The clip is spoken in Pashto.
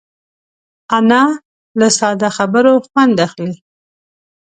انا له ساده خبرو خوند اخلي